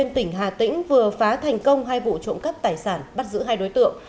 tỉnh hà tĩnh vừa phá thành công hai vụ trộm cắp tài sản bắt giữ hai đối tượng